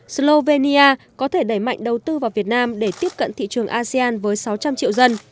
slovenia có thể đẩy mạnh đầu tư vào việt nam để tiếp cận thị trường asean với sáu trăm linh triệu dân